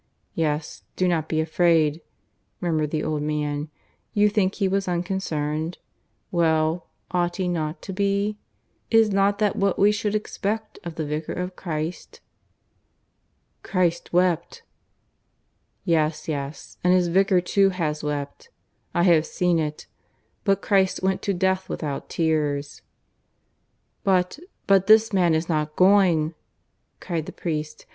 "Yes, do not be afraid," murmured the old man. "You think he was unconcerned? Well, ought he not to be? Is not that what we should expect of the Vicar of Christ?" "Christ wept." "Yes, yes, and his Vicar too has wept. I have seen it. But Christ went to death without tears." "But ... but this man is not going," cried the priest.